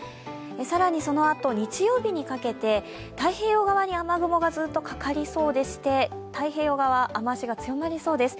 更に、そのあと日曜日にかけて、太平洋側に雨雲がずっとかかりそうでして、太平洋側、雨足が強まりそうです。